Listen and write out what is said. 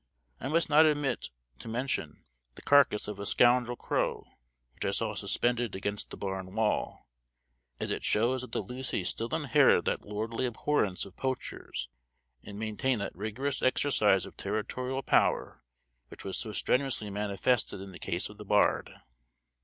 I must not omit to mention the carcass of a scoundrel crow which I saw suspended against the barn wall, as it shows that the Lucys still inherit that lordly abhorrence of poachers and maintain that rigorous exercise of territorial power which was so strenuously manifested in the case of the bard.